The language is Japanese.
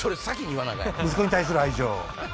息子に対する愛情。